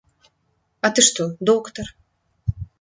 А ты што, доктар?